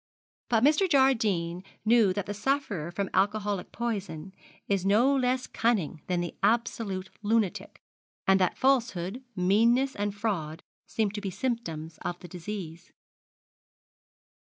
But Mr. Jardine knew that the sufferer from alcoholic poison is no less cunning than the absolute lunatic, and that falsehood, meanness, and fraud seem to be symptoms of the disease.